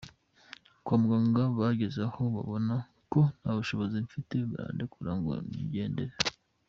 Kwa muganga bageze aho babona ko nta bushobozi mfite barandekura ngo nigendere.